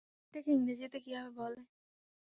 এটাকে ইংরেজিতে কিভাবে বলে?